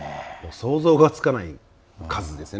想像がつかない数ですよね。